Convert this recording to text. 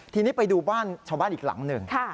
ทีนี้ไปดูบ้านชาวบ้านอีกหลังหนึ่ง